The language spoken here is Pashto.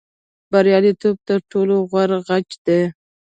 بریالیتوب تر ټولو غوره غچ دی.